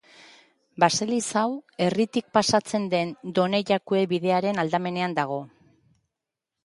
Baseliza hau, herritik pasatzen den Donejakue bidearen aldamenean dago.